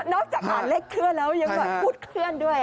จากอ่านเลขเคลื่อนแล้วยังแบบพูดเคลื่อนด้วย